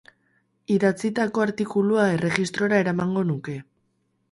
Idatzitako artikulua erregistrora eramango nuke.